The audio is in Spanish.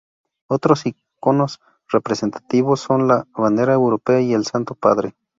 Otros iconos representativos son la bandera europea y el Santo Padre.